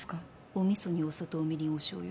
お味噌にお砂糖みりんおしょうゆ